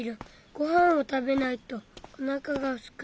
ご飯をたべないとおなかがすく。